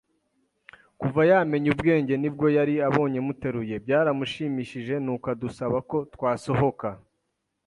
kuva yamenya ubwenge nibwo yari abonye muteruye. Byaramushimishije nuko adusaba ko twasohoka